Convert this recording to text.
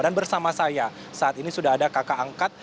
dan bersama saya saat ini sudah ada kakak angkat